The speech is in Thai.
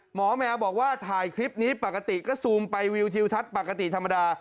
แมวบอกว่าถ่ายคลิปนี้ปกติก็ซูมไปวิวทิวทัศน์ปกติธรรมดา